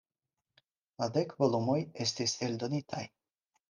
La dek volumoj estis eldonitaj.